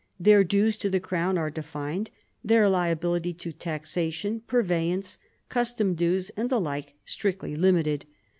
Their dues to the crown are denned, their liability to taxation, purveyance, custom dues, and the like, strictly limited.